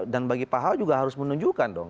dan bagi pak ahok juga harus menunjukkan dong